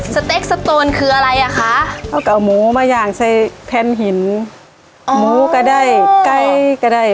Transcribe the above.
สเต็กสโตนคืออะไรอ่ะคะเขาก็เอาหมูมาอย่างใส่แทนหินหมูก็ได้ไกลก็ได้